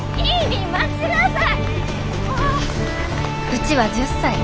うちは１０歳。